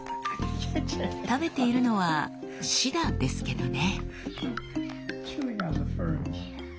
食べているのはシダですけどね。